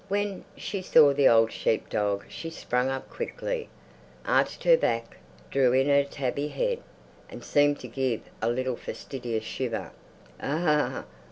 When she saw the old sheep dog she sprang up quickly, arched her back, drew in her tabby head, and seemed to give a little fastidious shiver. "Ugh!